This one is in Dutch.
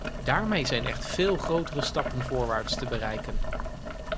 Daarmee zijn echt veel grotere stappen voorwaarts te bereiken.